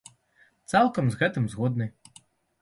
Цалкам з гэтым згодны.